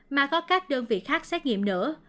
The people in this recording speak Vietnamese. mà có các đơn vị khác xét nghiệm nữa